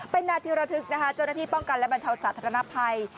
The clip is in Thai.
เป็นนาธิปรภึกเจ้าหน้าผู้ป้องกันบรรทาวน์สัตว์ทธนภัย